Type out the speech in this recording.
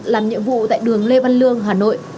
làm nhiệm vụ tại đường lê văn lương hà nội